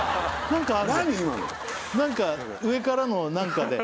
今の何か上からの何かで？